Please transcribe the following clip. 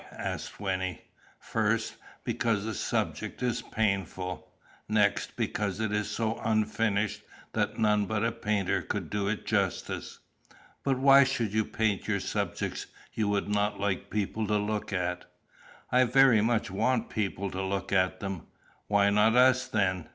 asked Wynnie. "First, because the subject is painful. Next, because it is so unfinished that none but a painter could do it justice." "But why should you paint subjects you would not like people to look at?" "I very much want people to look at them." "Why not us, then?"